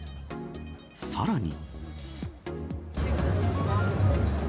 さらに。